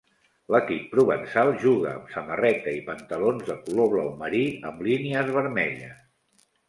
L'equip provençal juga amb samarreta i pantalons de color blau marí amb línies vermelles.